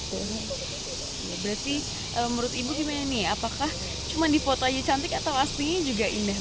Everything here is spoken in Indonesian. berarti menurut ibu gimana nih apakah cuma dipotongnya cantik atau aslinya juga indah